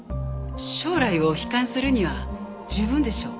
将来を悲観するには十分でしょ？